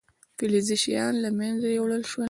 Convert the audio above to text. فلزي شیان له منځه یوړل شول.